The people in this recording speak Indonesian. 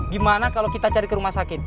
gimana kalau kita cari ke rumah sakit